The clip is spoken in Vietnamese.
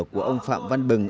của ông phạm văn bừng